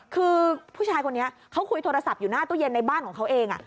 คือผู้ชายคนนี้เขาคุยโทรศัพท์อยู่หน้าตู้เย็นในบ้านของเขาเอง